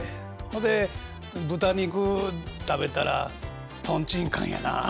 ほんで豚肉食べたら「とんちんかんやなあ」